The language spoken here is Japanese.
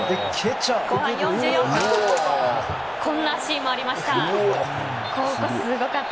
後半４４分こんなシーンもありました。